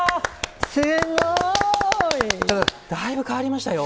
すごい！だいぶ変わりましたよ。